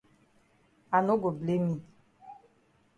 I no go blame yi.